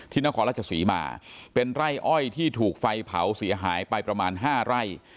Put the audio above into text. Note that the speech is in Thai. นครราชศรีมาเป็นไร่อ้อยที่ถูกไฟเผาเสียหายไปประมาณ๕ไร่